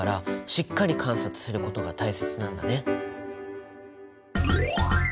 しっかり観察することが大切なんだね。